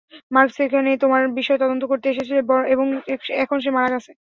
Marks এখানে তোমার বিষয়ে তদন্ত করতে এসেছিল, এবং এখন সে মারা গেছে।